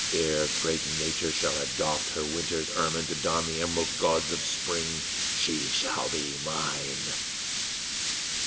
Ere great Nature shall have doffed her winter's ermine to don the emerald gauds of spring, she shall be mine!